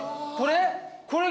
これ？